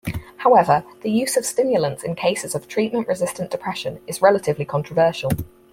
However, the use of stimulants in cases of treatment-resistant depression is relatively controversial.